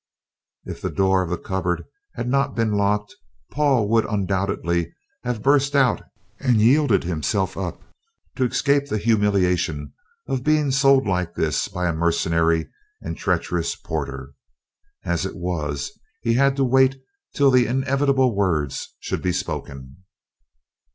If the door of the cupboard had not been locked, Paul would undoubtedly have burst out and yielded himself up, to escape the humiliation of being sold like this by a mercenary and treacherous porter. As it was, he had to wait till the inevitable words should be spoken.